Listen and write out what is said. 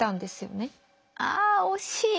あっ惜しい！